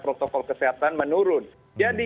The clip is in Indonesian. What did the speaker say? protokol kesehatan menurun jadi